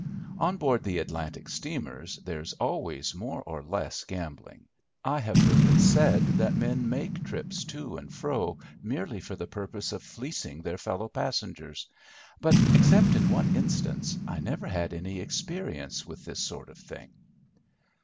On board the Atlantic steamers there is always more or less gambling. I have heard it said that men make trips to and fro merely for the purpose of fleecing their fellow passengers; but, except in one instance, I never had any experience with this sort of thing.